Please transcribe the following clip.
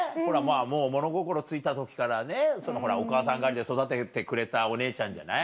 もう物心ついた時からねお母さん代わりで育ててくれたお姉ちゃんじゃない。